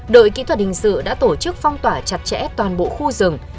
đội kỹ thuật hình sự đã tổ chức phong tỏa chặt chẽ toàn bộ khu rừng